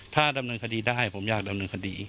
ถ้าดำเนินคดีได้ผมอยากดำเนินคดี